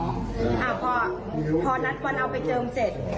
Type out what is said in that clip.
ต้องเอาไปเจิมอ่าพอพอนัดวันเอาไปเจิมเสร็จ